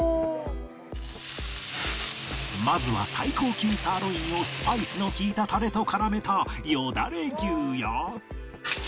まずは最高級サーロインをスパイスの利いたタレと絡めたよだれ牛や